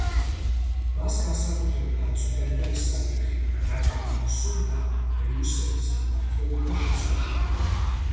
მას განსაკუთრებით აწუხებდა ეს საკითხი, რადგან არ სურდა ბრიუსების მმართველობა შეწყვეტილიყო.